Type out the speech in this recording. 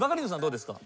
どうですか？